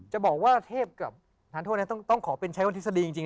จะบอกว่าเทพกับทานโทษต้องขอเป็นใช้วทฤษฎีจริง